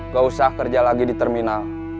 gak usah kerja lagi di terminal